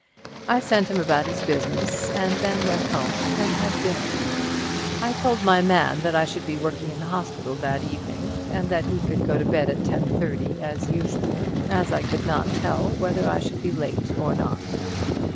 I sent him about his business, and then went home and had dinner. I told my man that I should be working in the hospital that evening, and that he could go to bed at 10:30 as usual, as I could not tell whether I should be late or not.